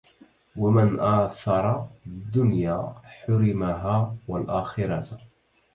وَمَنْ آثَرَ الدُّنْيَا حُرِمَهَا وَالْآخِرَةَ